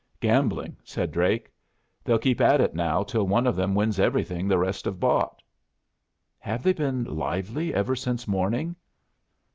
"Gambling," said Drake. "They'll keep at it now till one of them wins everything the rest have bought." "Have they been lively ever since morning?"